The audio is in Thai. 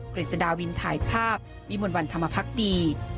กฤษดาวินถ่ายภาพวิมวลวันธรรมพักดี